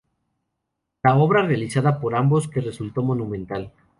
La obra realizada por ambos que resultó monumental.